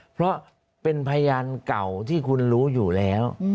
เพราะเป็นพยานเก่าที่คุณรู้อยู่แล้ว